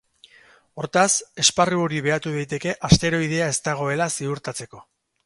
Hortaz, esparru hori behatu daiteke asteroidea ez dagoela ziurtatzeko.